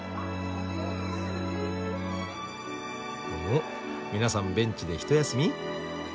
お皆さんベンチで一休み？